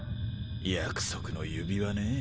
約束の指輪ねぇ。